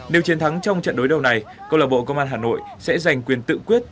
nếu chiến thắng trong trận đối đầu này công an hà nội sẽ giành quyền tự quyết